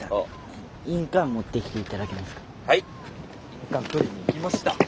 印鑑取りに行きました。